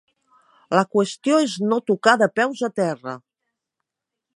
La qüestió és no tocar de peus a terra!